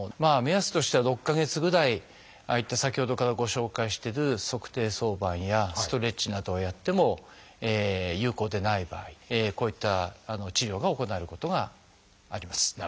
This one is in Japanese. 目安としては６か月ぐらいああいった先ほどからご紹介してる足底挿板やストレッチなどをやっても有効でない場合こういった治療が行われることがあります。